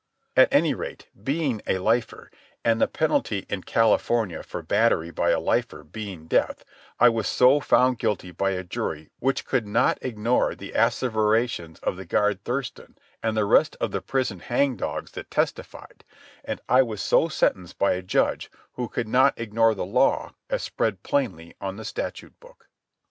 At any rate, being a lifer, and the penalty in California for battery by a lifer being death, I was so found guilty by a jury which could not ignore the asseverations of the guard Thurston and the rest of the prison hang dogs that testified, and I was so sentenced by a judge who could not ignore the law as spread plainly on the statute book.